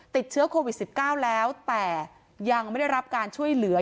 ติดเชื้อโควิด๑๙แล้วแต่ยังไม่ได้รับการช่วยเหลือ